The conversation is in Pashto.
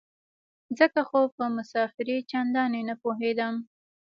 ځکه خو په مسافرۍ چندانې نه پوهېدم.